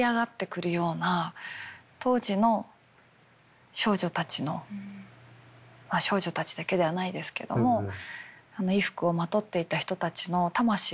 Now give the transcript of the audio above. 当時の少女たちのまあ少女たちだけではないですけどもあの衣服をまとっていた人たちの魂がそこに封じ込められているような。